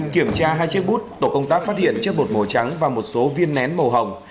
kiểm tra hai chiếc bút tổ công tác phát hiện chiếc bột màu trắng và một số viên nén màu hồng